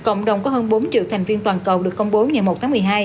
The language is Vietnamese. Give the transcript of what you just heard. cộng đồng có hơn bốn triệu thành viên toàn cầu được công bố ngày một tháng một mươi hai